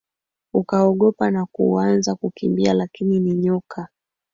ukaogopa na kuanza kukimbia lakini ni nyoka